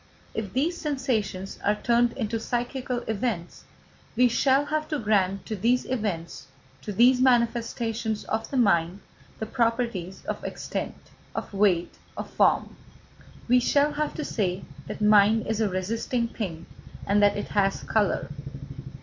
If these sensations are turned into psychical events, we shall have to grant to these events, to these manifestations of the mind, the properties of extent, of weight, of form. We shall have to say that mind is a resisting thing, and that it has colour.